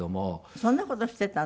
そんな事していたの？